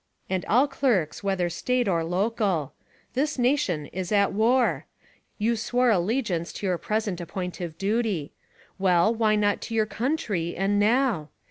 And all clerks whether State or local : This nation is at war ! You swore allegience to your present appointive duty — well, why not to your country; and now?